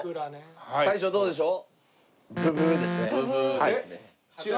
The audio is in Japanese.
大将どうでしょう？